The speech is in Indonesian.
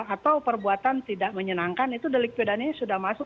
atau perbuatan tidak menyenangkan itu delik pidananya sudah masuk